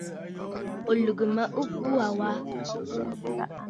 Ò lɨ̀gə̀ mə ɨkuu aa wa?